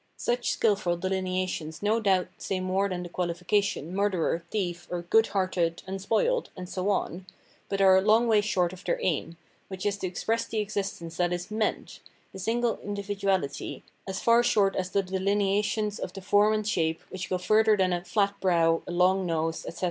Such skilful dehneations no doubt say more than the qualification, "murderer,'' "thief," or "good hearted," "unspoiled," and so on; but are a long way short of their aim, which is to express the existence that is " meant," the single individuahty, as far short as the dehneations of the form and shape, which go further than a '' flat brow, " a " long nose, " etc.